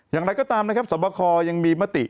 อย่างไรก็ตามนะครับสวบคอยังมีมติ